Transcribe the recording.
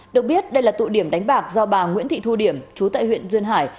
được biết đây là tụ điểm đánh bạc do bà nguyễn thị thu điểm chú tại huyện duyên hải